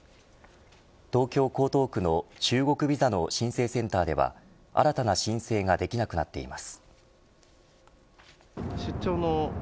東京、江東区の中国ビザの申請センターでは新たな申請ができなくなっています。